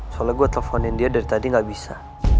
soalnya gue telponin dia dari tadi gak bisa